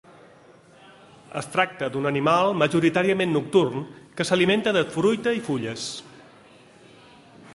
Es tracta d'un animal majoritàriament nocturn que s'alimenta de fruita i fulles.